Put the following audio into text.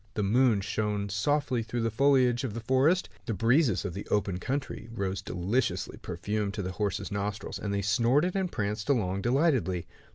The moon shone softly through the foliage of the forest. The breezes of the open country rose deliciously perfumed to the horse's nostrils, and they snorted and pranced along delightedly.